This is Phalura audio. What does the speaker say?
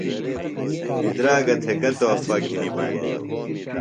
بِدراگہ تھےۡ گہ تحفہ گِھنیۡ بینڈیوۡ۔